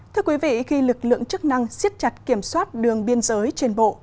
thưa quý vị khi lực lượng chức năng siết chặt kiểm soát đường biên giới trên bộ